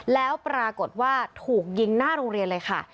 แล้วปรากฏว่าถูกยิงหน้าโรงเรียนเลยค่ะ